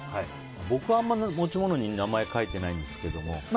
僕はあんまり持ち物に名前書いてなんですけども。